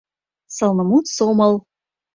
Сылнымут сомыл